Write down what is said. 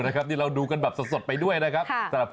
นี่เราดูกันแบบสดไปด้วยนะครับ